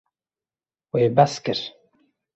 Wê behs kir.